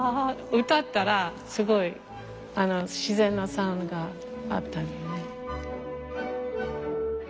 歌ったらすごい自然のサウンドがあったのよね。